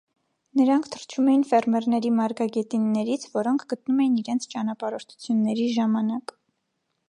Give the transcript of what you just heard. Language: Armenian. Նրանք թռչում էին ֆերմերների մարգագետիններից, որոնք գտնում էին իրենց ճանապարհորդությունների ժամանակ։